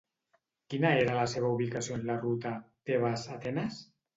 Quina era la seva ubicació en la ruta Tebes-Atenes?